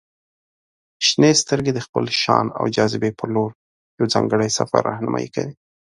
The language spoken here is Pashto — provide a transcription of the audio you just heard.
• شنې سترګې د خپل شان او جاذبې په لور یو ځانګړی سفر رهنمائي کوي.